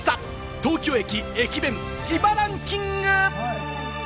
東京駅・駅弁、自腹ンキング！